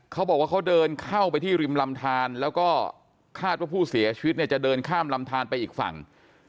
เขาบอกว่าเขาเดินเข้าไปที่ริมลำทานแล้วก็คาดว่าผู้เสียชีวิตเนี่ยจะเดินข้ามลำทานไปอีกฝั่ง